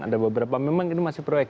ada beberapa memang ini masih proyek